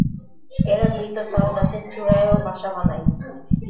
এরা মৃত তাল গাছের চুড়ায় ও বাসা বানায়।